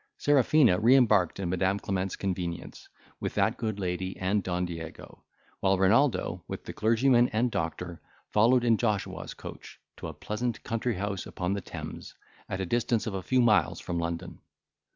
Serafina re embarked in Madam Clement's convenience, with that good lady and Don Diego, while Renaldo, with the clergyman and doctor, followed in Joshua's coach, to a pleasant country house upon the Thames, at a distance of a few miles from London.